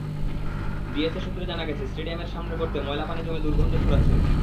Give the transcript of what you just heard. DSA সূত্রে জানা গেছে, স্টেডিয়ামের সামনের গর্তে ময়লা পানি জমে দুর্গন্ধ ছড়াচ্ছিল।